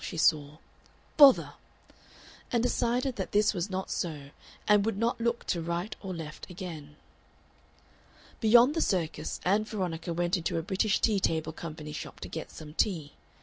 she swore. "Bother!" and decided that this was not so, and would not look to right or left again. Beyond the Circus Ann Veronica went into a British Tea Table Company shop to get some tea.